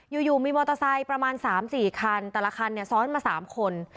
อยู่อยู่มีมอเตอร์ไซค์ประมาณสามสี่คันแต่ละคันเนี่ยซ้อนมาสามคน